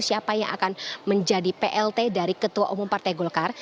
siapa yang akan menjadi plt dari ketua umum partai golkar